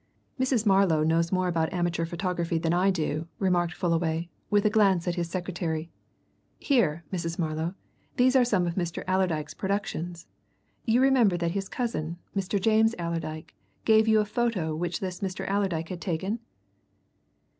"Mrs. Marlow knows more about amateur photography than I do," remarked Fullaway, with a glance at his secretary. "Here, Mrs. Marlow, these are same of Mr. Allerdyke's productions you remember that his cousin, Mr. James Allerdyke, gave you a photo which this Mr. Allerdyke had taken?"